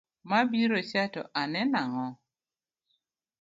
Mabirocha to aneno ang’o?